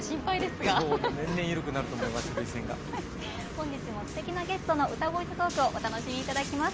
本日もすてきなゲストの歌声とトークをお楽しみ頂きます。